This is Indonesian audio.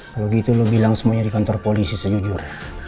kalau gitu lo bilang semuanya di kantor polisi sejujur